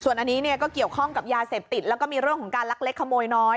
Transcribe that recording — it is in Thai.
อันนี้เนี่ยก็เกี่ยวข้องกับยาเสพติดแล้วก็มีเรื่องของการลักเล็กขโมยน้อย